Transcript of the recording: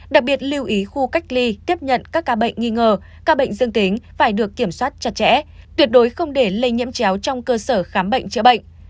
đặc biệt lưu ý khu cách ly tiếp nhận các ca bệnh nghi ngờ các bệnh dương tính phải được kiểm soát chặt chẽ tuyệt đối không để lây nhiễm chéo trong cơ sở khám bệnh chữa bệnh